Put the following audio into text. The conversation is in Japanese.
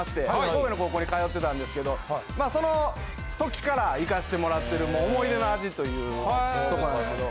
神戸の高校に通ってたんですけどその時から行かしてもらってる思い出の味というとこなんですけど。